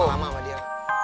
ya mama dia